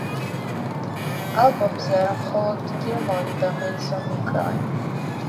ალბომზე არა მხოლოდ გილმორი და მეისონი უკრავენ.